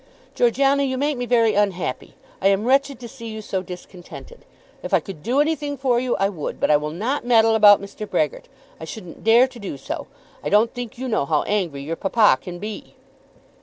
"Georgiana, you make me very unhappy. I am wretched to see you so discontented. If I could do anything for you, I would. But I will not meddle about Mr. Brehgert. I shouldn't dare to do so. I don't think you know how angry your papa can be."